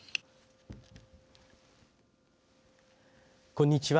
こんにちは。